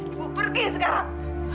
ibu pergi sekarang